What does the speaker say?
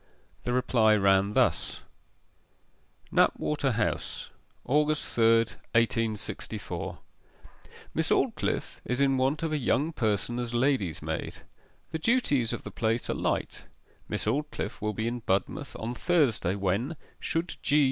The reply ran thus: KNAPWATER HOUSE, August 3, 1864. 'Miss Aldclyffe is in want of a young person as lady's maid. The duties of the place are light. Miss Aldclyffe will be in Budmouth on Thursday, when (should G.